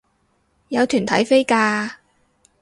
有團體飛價